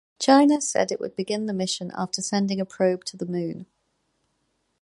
China said it would begin the mission after sending a probe to the Moon.